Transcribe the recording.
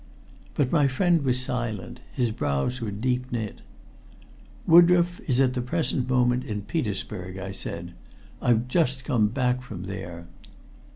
But my friend was silent; his brows were deep knit. "Woodroffe is at the present moment in Petersburg," I said. "I've just come back from there."